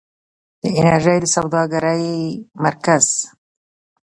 د انرژۍ او سوداګرۍ مرکز.